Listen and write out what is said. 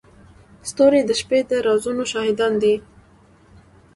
ستوري د شپې د رازونو شاهدان دي.